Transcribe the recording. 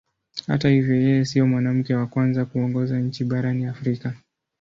Hata hivyo yeye sio mwanamke wa kwanza kuongoza nchi barani Afrika.